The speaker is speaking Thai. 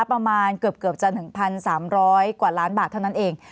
ประมาณเกือบจะ๑๓๐๐กว่าล้านบาทเท่านั้นเอง